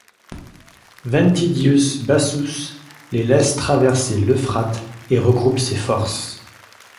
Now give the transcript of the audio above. Ventidius Bassus les laisse traverser l'Euphrate et regroupe ses forces.